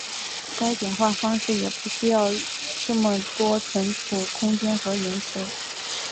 该简化方法也不需要那么多存储空间和延迟。